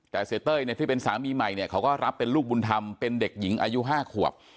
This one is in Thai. แต่เสียเต้ยเนี่ยที่เป็นสามีใหม่เนี่ยเขาก็รับเป็นลูกบุญธรรมเป็นเด็กหญิงอายุ๕ขวบ